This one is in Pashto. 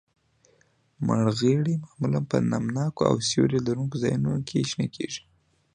مرخیړي معمولاً په نم ناکو او سیوري لرونکو ځایونو کې شنه کیږي